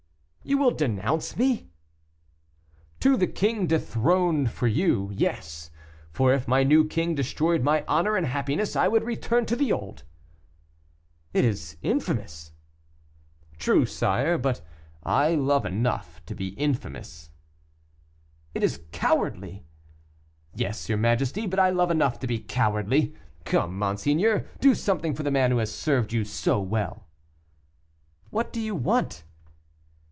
"You will denounce me?" "To the king dethroned for you, yes; for if my new king destroyed my honor and happiness, I would return to the old." "It is infamous." "True, sire; but I love enough to be infamous." "It is cowardly." "Yes, your majesty, but I love enough to be cowardly. Come, monseigneur, do something for the man who has served you so well." "What do you want?"